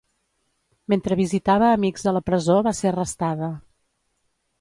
Mentre visitava amics a la presó va ser arrestada.